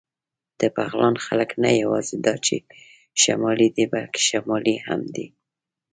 د بغلان خلک نه یواځې دا چې شمالي دي، بلکې شمالي هم دي.